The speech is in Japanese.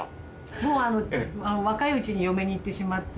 もう若いうちに嫁に行ってしまって。